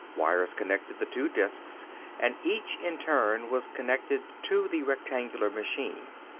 Wires connected the two disks and each in turn was connected to the rectangular machine.